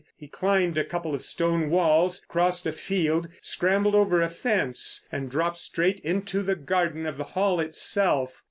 He climbed a couple of stone walls, crossed a field, scrambled over a fence, and dropped straight into the garden of the Hall itself.